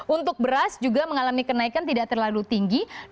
untuk beras juga mengalami kenaikan tidak terlalu tinggi